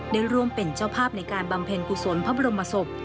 ได้ร่วมเป็นเจ้าภาพในการบำเพ็ญกุศลพระบรมศพ